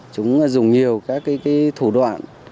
chúng dùng nhiều các cái thủ đoạn